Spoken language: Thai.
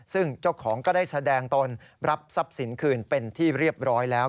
ซึ่งเจ้าของก็ได้แสดงตนรับทรัพย์สินคืนเป็นที่เรียบร้อยแล้ว